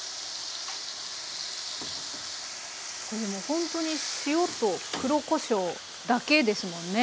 ほんとに塩と黒こしょうだけですもんね